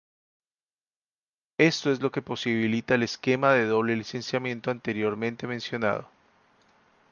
Esto es lo que posibilita el esquema de doble licenciamiento anteriormente mencionado.